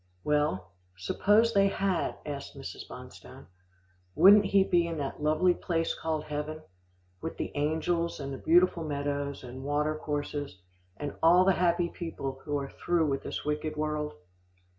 "Well, suppose they had," asked Mrs. Bonstone, "wouldn't he be in that lovely place called heaven, with the angels and the beautiful meadows, and watercourses, and all the happy people who are through with this wicked world?"